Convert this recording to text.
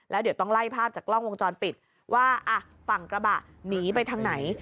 แล้วเดี๋ยวต้องไล่ภาพจากกล้องวงจรปิดว่าฝั่งกระบะหนีไปทางไหน